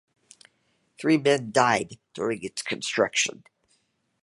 Three men died during its construction.